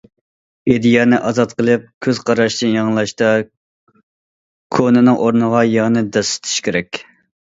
ئىدىيەنى ئازاد قىلىپ، كۆز قاراشنى يېڭىلاشتا كونىنىڭ ئورنىغا يېڭىنى دەسسىتىش كېرەك.